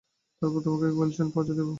তারপর তোমাকে গুয়েলস্টোন পৌঁছে দেব।